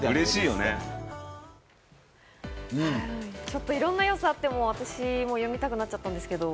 ちょっといろんな要素があって私も読みたくなっちゃったんですけど。